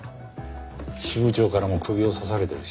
支部長からも釘を刺されてるし。